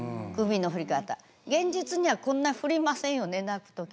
現実にはこんな振りませんよね泣く時。